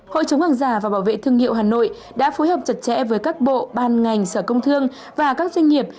hội chống hàng giả và bảo vệ thương hiệu hà nội đã phối hợp chặt chẽ với các bộ ban ngành sở công thương và các doanh nghiệp